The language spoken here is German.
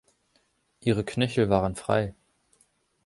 Ihre Knöchel waren frei.